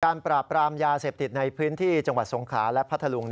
ปราบปรามยาเสพติดในพื้นที่จังหวัดสงขลาและพัทธลุง